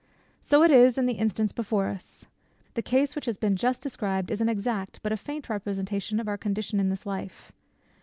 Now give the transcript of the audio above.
So it is in the instance before us. The case which has been just described, is an exact, but a faint representation of our condition in this life.